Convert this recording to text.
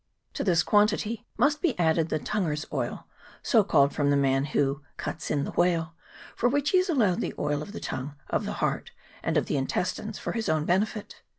To this quantity must be added the tonguer's oil, so called from the man who " cuts in the whale," for which he is allowed the oil of the tongue, of the heart, and of the intestines, for his own benefit.